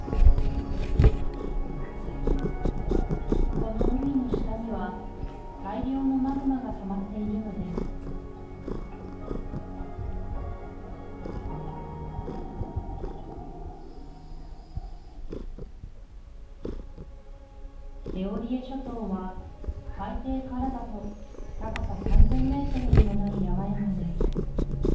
この海の下には大量のマグマがたまっているのですエオリエ諸島は海底からだと高さ３０００ｍにもなる山々です